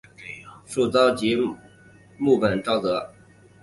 树沼即木本沼泽。